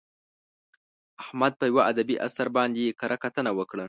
احمد په یوه ادبي اثر باندې کره کتنه وکړه.